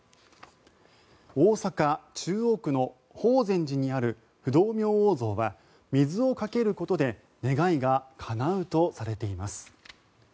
大阪・中央区の法善寺にある不動明王像は水をかけることで願いがかなうとされています。